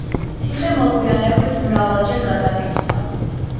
ციხე მოგვიანებით მრავალჯერ გადაკეთდა.